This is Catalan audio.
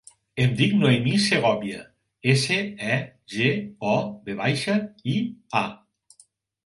Em dic Noemí Segovia: essa, e, ge, o, ve baixa, i, a.